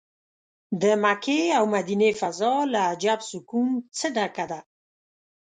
د مکې او مدینې فضا له عجب سکون څه ډکه ده.